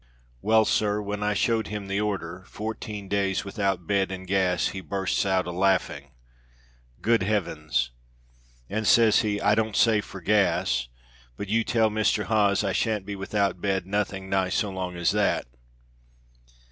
"Well, sir! when I showed him the order, 'fourteen days without bed and gas,' he bursts out a laughing " "Good heavens!" "And says he, 'I don't say for gas, but you tell Mr. Hawes I shan't be without bed nothing nigh so long as that.'"